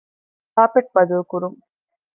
ކާޕެޓް ބަދަލުކުރުން